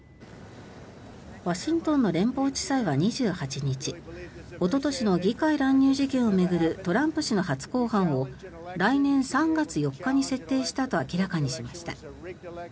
ワシントンの連邦地裁は２８日おととしの議会乱入事件を巡るトランプ氏の初公判を来年３月４日に設定したと明らかにしました。